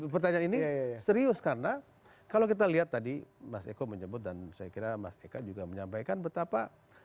pertanyaan ini serius karena kalau kita lihat tadi mas eko menyebut dan saya kira mas eka juga menyampaikan betapa